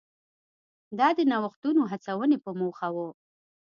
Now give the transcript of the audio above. دا د نوښتونو د هڅونې په موخه و.